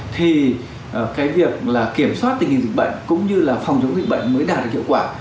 thì cái việc kiểm soát tình hình dịch bệnh cũng như là phòng chống dịch bệnh mới đạt được hiệu quả